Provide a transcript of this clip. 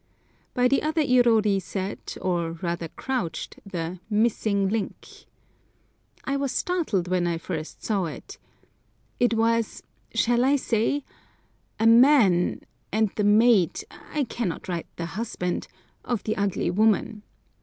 By the other irori sat, or rather crouched, the "MISSING LINK." I was startled when I first saw it. It was—shall I say?—a man, and the mate, I cannot write the husband, of the ugly woman.